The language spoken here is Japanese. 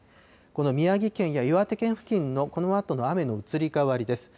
この宮城県や岩手県付近のこのあとの雨の移り変わりです。